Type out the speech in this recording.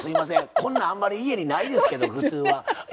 こんなんあんまり家にないですけど普通は。え？